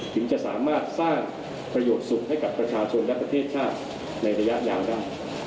ถึงจะสามารถสร้างประโยชน์สุขให้กับประชาชนและประเทศชาติในระยะยาวได้